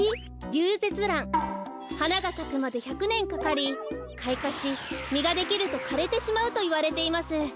リュウゼツラン。はながさくまで１００ねんかかりかいかしみができるとかれてしまうといわれています。